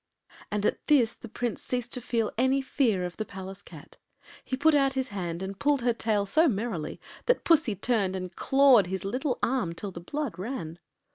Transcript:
” And at this the Prince ceased to feel any fear of the Palace cat. He put out his hand and pulled her tail so merrily that Pussy turned and clawed the little arm till the blood ran.